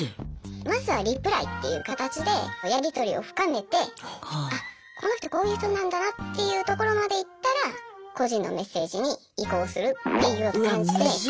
まずはリプライっていう形でやりとりを深めてあっこの人こういう人なんだなっていうところまでいったら個人のメッセージに移行するっていう感じで。